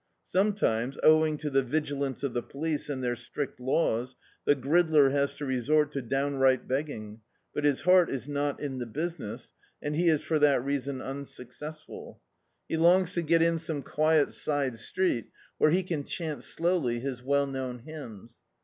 Sometimes, owing to the vigi lance of the police, and their strict laws, the gridler has to resort to downri^t beg^ng, but his heart is not in the business, and he is for that reason un successful. He longs to get in some quiet side street where he can chant slowly his well known hymns.